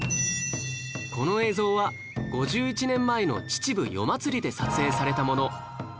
この映像は５１年前の秩父夜祭で撮影されたもの